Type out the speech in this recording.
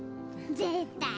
ぜーったい。